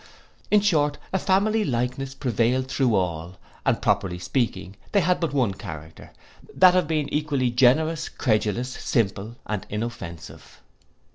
In short, a family likeness prevailed through all, and properly speaking, they had but one character, that of being all equally generous, credulous, simple, and inoffensive.